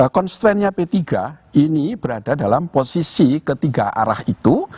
konstituennya p tiga ini berada dalam posisi ketiga arah itu